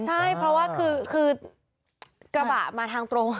ใช่เพราะว่าคือกระบะมาทางตรง